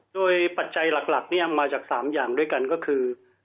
โดยปัจจัยหลักมาจาก๓อย่างด้วยกันก็คือ